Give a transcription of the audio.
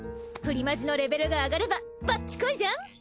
プリマジのレベルが上がればバッチ来いじゃん？